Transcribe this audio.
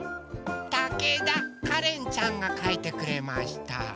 たけだかれんちゃんがかいてくれました。